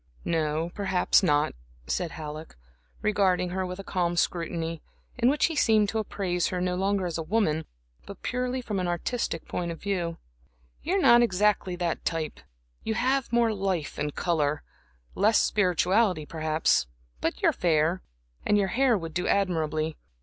"No, perhaps not," said Halleck, regarding her with a calm scrutiny, in which he seemed to appraise her no longer as a woman, but purely from an artistic point of view. "You are not exactly that type; you have more life and color, less spirituality, perhaps; but you are fair, and your hair would do admirably.